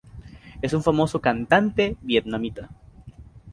Es un famoso cantante vietnamita.